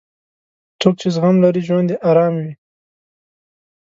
څوک چې زغم لري، ژوند یې ارام وي.